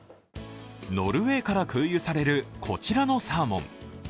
ノルウェーから空輸される、こちらのサーモン。